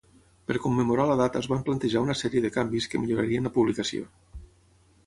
Per commemorar la data es van plantejar una sèrie de canvis que millorarien la publicació.